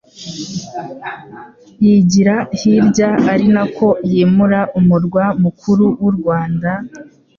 yigira hirya, ari nako yimura umurwa mukuru w'u Rwanda,